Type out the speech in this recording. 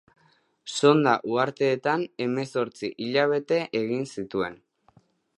Sonda uharteetan hemezortzi hilabete egin zituen.